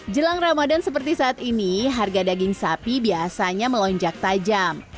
jelang ramadan seperti saat ini harga daging sapi biasanya melonjak tajam